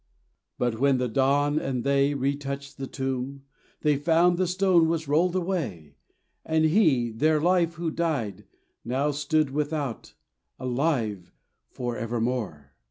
But when the dawn and they retouched the tomb, They found the stone was rolled away, And He, their Life who died, now stood without, Alive for evermore.